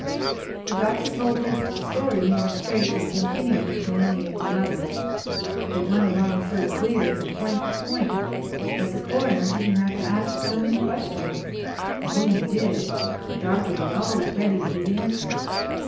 The Doctor told his story more straight and continuous than any of the others. It went along so clear from point to point, that the coroner didn't have to ask so many questions, and when he did the doctor was always ready with his answer.